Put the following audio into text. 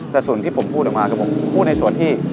แต่ส่วนที่ผมพูดออกมาคือผมพูดในส่วนที่